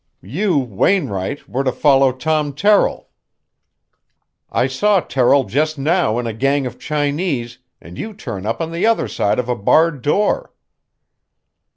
You, Wainwright, were to follow Tom Terrill. I saw Terrill just now in a gang of Chinese, and you turn up on the other side of a barred door."